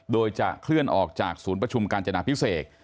โดยจะเคลื่อนออกจากศูนย์ประชุมกาญจนาพิเศษ